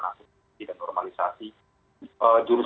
naturalisasi dan normalisasi jurus